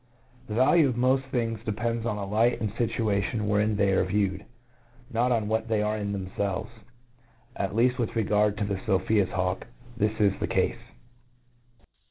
The value of moft things depends on the light and fituation wherein they are viewed, not on what they are in themfelves — atleaft with regard to the Sophi's hawk, this is the cafe.